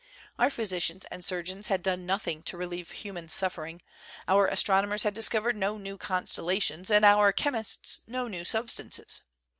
Our physicians and surgeons had done nothing to relieve human suffering; our astronomers had discovered no new constella tions and our chemists no new substances.